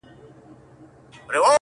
کلونه کیږي د ځنګله پر څنډه!.